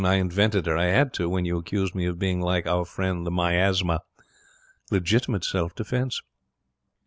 I invented her. I had to when you accused me of being like our friend the Miasma. Legitimate self defence.'